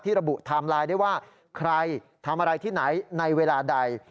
ระบุไทม์ไลน์ได้ว่าใครทำอะไรที่ไหนในเวลาใด